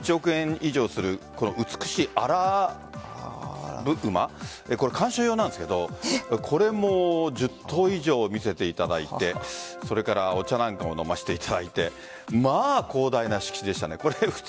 以上する美しいアラブ馬観賞用なんですがこれも１０頭以上見せていただいてお茶なんかも飲ませていただいてまあ広大な敷地でした。